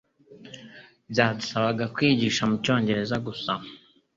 byadusabaga kwigisha mu Cyongereza gusa